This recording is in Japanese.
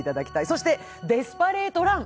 そして「デスパレート・ラン」。